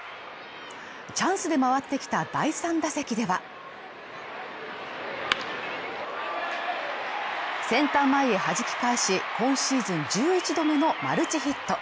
チャンスで回ってきた第３打席ではセンター前へはじき返し、今シーズン１１度目のマルチヒット。